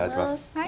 はい。